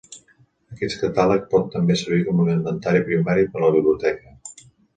Aquest catàleg pot també servir com l'inventari primari per a la biblioteca.